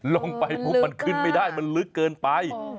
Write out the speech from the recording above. ลงไปปุ๊บมันขึ้นไม่ได้มันลึกเกินไป